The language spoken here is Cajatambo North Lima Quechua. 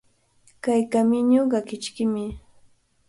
Kay kamiñuqa kichkimi.